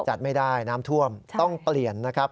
จัดไม่ได้น้ำท่วมต้องเปลี่ยนนะครับ